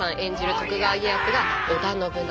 徳川家康が織田信長